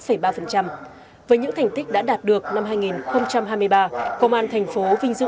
với những thành tích đã đạt được năm hai nghìn hai mươi ba công an thành phố vinh dự